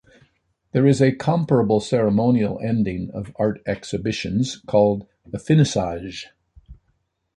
There is a comparable ceremonial ending of art exhibitions, called a "finissage".